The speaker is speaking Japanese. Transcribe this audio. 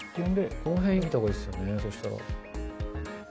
この辺いったほうがいいですよね、そうしたら。